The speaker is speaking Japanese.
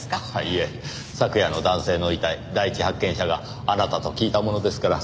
いえ昨夜の男性の遺体第一発見者があなたと聞いたものですから。